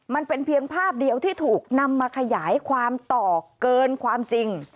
มันเป็นเพียงภาพเดียวที่ถูกนำมาขยายความต่อเกินความจริง